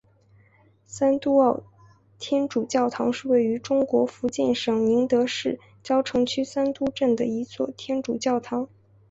三都澳天主教堂是位于中国福建省宁德市蕉城区三都镇的一座天主教堂。